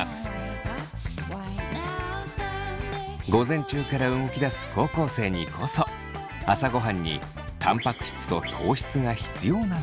午前中から動き出す高校生にこそ朝ごはんにたんぱく質と糖質が必要なのです。